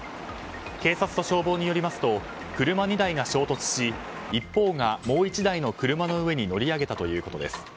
警察と消防によりますと車２台が衝突し一方が、もう１台の車の上に乗り上げたということです。